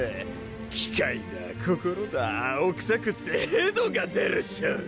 機械だ心だ青くさくってヘドが出るっショ。